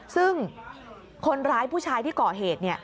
ซึ่งคนร้ายผู้ชายที่ก่อเหตุ